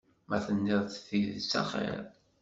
Ma tenniḍ-d tidet axiṛ.